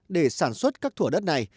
để sản xuất các thủa đất này